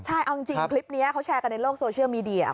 ใช่เอาจริงคลิปนี้เขาแชร์กันในโลกโซเชียลมีเดีย